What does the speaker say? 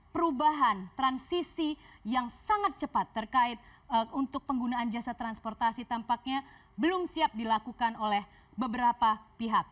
perubahan transisi yang sangat cepat terkait untuk penggunaan jasa transportasi tampaknya belum siap dilakukan oleh beberapa pihak